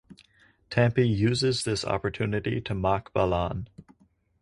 Thampi uses this opportunity to mock Balan.